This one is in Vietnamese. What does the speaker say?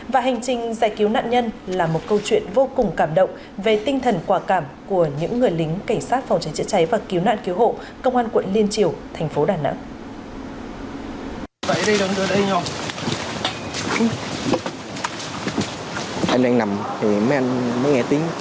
và hành trình giải cứu nạn nhân là một câu chuyện vô cùng cảm động về tinh thần quả cảm của những người lính cảnh sát phòng cháy chữa cháy và cứu nạn cứu hộ công an quận liên triều thành phố đà nẵng